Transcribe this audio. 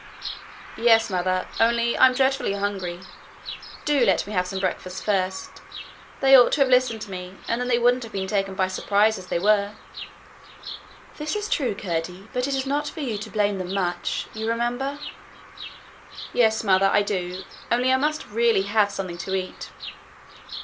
'Yes, mother. Only I'm dreadfully hungry. Do let me have some breakfast first. They ought to have listened to me, and then they wouldn't have been taken by surprise as they were.' 'That is true, Curdie; but it is not for you to blame them much. You remember?' 'Yes, mother, I do. Only I must really have something to eat.'